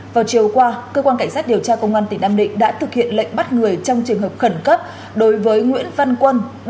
vào chiều qua cơ quan cảnh sát điều tra công an tỉnh nam định đã thực hiện lệnh bắt người trong trường hợp khẩn cấp đối với nguyễn văn quân